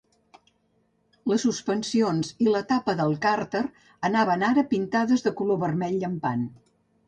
Les suspensions i la tapa del càrter anaven ara pintades de color vermell llampant.